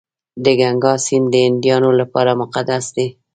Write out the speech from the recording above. د ګنګا سیند د هندیانو لپاره مقدس دی.